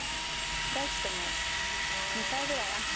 大知とも２回ぐらい会って。